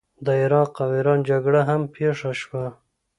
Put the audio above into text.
د عراق او ایران جګړه هم پیښه شوه.